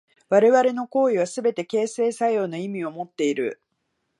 我々の行為はすべて形成作用の意味をもっている。